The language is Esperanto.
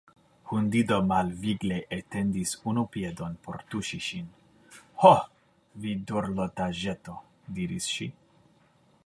Hundido malvigle etendis unu piedon por tuŝi ŝin. "Ho, vi dorlotaĵeto," diris ŝi.